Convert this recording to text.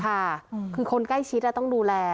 ค่ะคือคนใกล้ชิดต้องดูแล